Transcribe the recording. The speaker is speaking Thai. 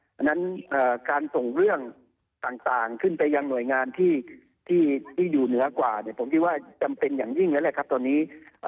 เพราะฉะนั้นการส่งเรื่องต่างขึ้นไปยังหน่วยงานที่อยู่เหนือกว่าเนี่ยผมคิดว่าจำเป็นอย่างยิ่งแล้วแหละครับตอนนี้